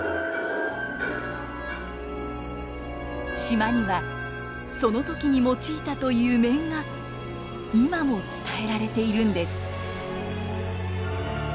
島にはその時に用いたという面が今も伝えられているんです。